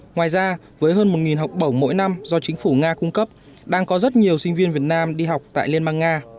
ngoài ra với hơn một học bổng mỗi năm do chính phủ nga cung cấp đang có rất nhiều sinh viên việt nam đi học tại liên bang nga